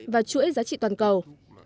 và chuỗi giá trị toàn cầu